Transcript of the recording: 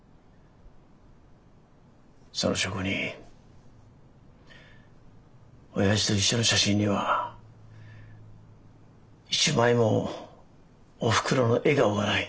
その証拠にオヤジと一緒の写真には一枚もおふくろの笑顔がない。